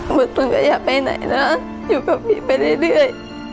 หมดตุ้นก็อย่าไปไหนนะอยู่ตรงนั้นไปเรื่อย